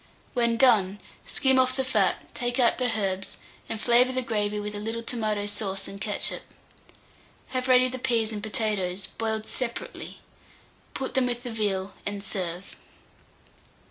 When done, skim off the fat, take out the herbs, and flavour the gravy with a little tomato sauce and ketchup. Have ready the peas and potatoes, boiled separately; put them with the veal, and serve.